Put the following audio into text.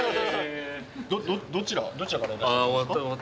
どちらから。